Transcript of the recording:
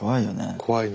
怖いね。